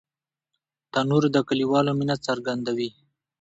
تنور د کلیوالو مینه څرګندوي